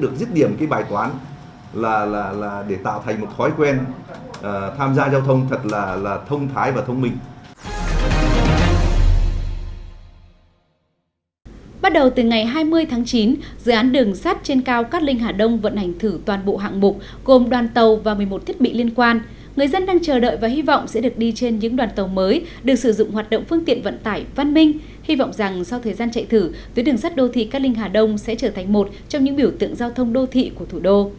dự án đường sắt trên cao cát linh hà đông vận hành thử toàn bộ hạng mục gồm đoàn tàu và một mươi một thiết bị liên quan người dân đang chờ đợi và hy vọng sẽ được đi trên những đoàn tàu mới được sử dụng hoạt động phương tiện vận tải văn minh hy vọng rằng sau thời gian chạy thử tuyến đường sắt đô thị cát linh hà đông sẽ trở thành một trong những biểu tượng giao thông đô thị của thủ đô